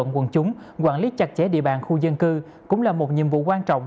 quản lý chặt chẽ địa bàn khu dân cư cũng là một nhiệm vụ quan trọng